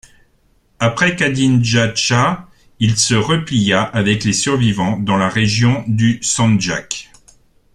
Après Kadinjača, il se replia avec les survivants dans la région du Sandjak.